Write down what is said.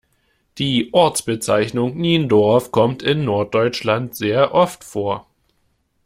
Die Ortsbezeichnung Niendorf kommt in Norddeutschland sehr oft vor.